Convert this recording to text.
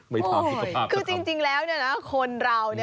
ไม่ถามธุรกภาพสักครั้งคือจริงแล้วนะคนเรา